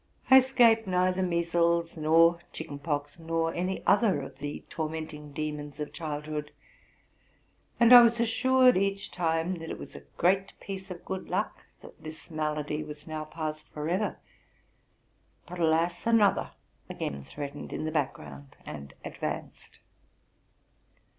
I escaped neither measles nor chicken pox, nor any other of the tormenting demons of childhood; and I was assured each time that it was a great piece of good luck that this 32 TRUTH AND FICTION malady was now past forever. But alas! another again threatened in the background, and advanced.